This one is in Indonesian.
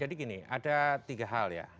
jadi gini ada tiga hal ya